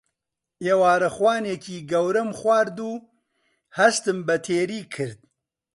ئێوارەخوانێکی گەورەم خوارد و هەستم بە تێری کرد.